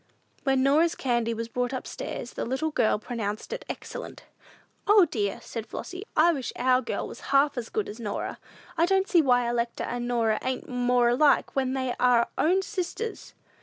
When Norah's candy was brought up stairs, the little girls pronounced it excellent. "O, dear," said Flossy, "I wish our girl was half as good as Norah! I don't see why Electa and Norah ain't more alike when they are own sisters!"